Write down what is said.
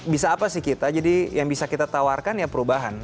bisa apa sih kita jadi yang bisa kita tawarkan ya perubahan